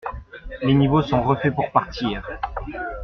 Les niveaux sont refaits pour partir.